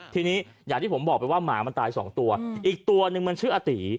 ทีนี้อย่างที่ผมบอกไปว่าหมามันตายสองตัวอีกตัวหนึ่งมันชื่ออาตี